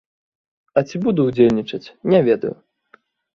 А ці буду ўдзельнічаць, не ведаю.